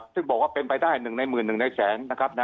ซึ่งบอกว่าเป็นไปได้๑ใน๑๑ในแสนนะครับ